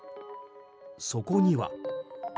そこには。